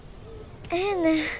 ええねん。